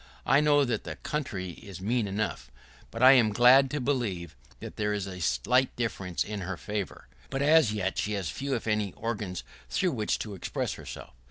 I know that the country is mean enough, but I am glad to believe that there is a slight difference in her favor. But as yet she has few, if any organs, through which to express herself.